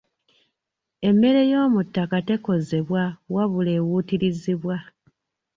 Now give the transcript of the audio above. Emmere y'omu ttaka tekozebwa wabula ewuutirizibwa.